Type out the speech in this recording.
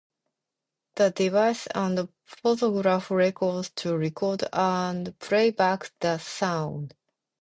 The device used phonograph records to record and play back the sound.